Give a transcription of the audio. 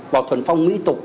vào thuần phong mỹ tục